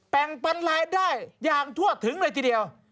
แปลงปันรายได้ยานทั่วถึงเลยทีเดียว